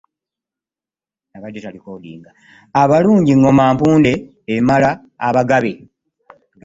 Abalungi ngoma mpunde, emala abagabe